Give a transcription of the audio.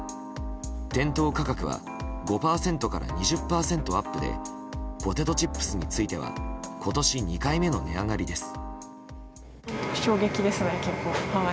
店頭価格は５％から２０％アップでポテトチップスについては今年２回目の値上がりです。